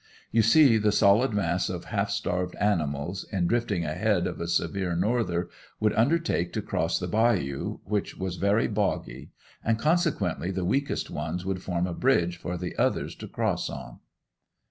You see the solid mass of half starved animals, in drifting ahead of a severe "Norther," would undertake to cross the bayou, which was very boggy and consequently the weakest ones would form a bridge for the others to cross on.